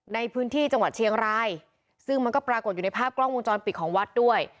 ในพื้นที่จังหวัดเชียงรายซึ่งมันก็ปรากฏอยู่ในภาพกล้องวงจรปิดของวัดด้วย